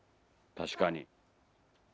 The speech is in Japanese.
確かに。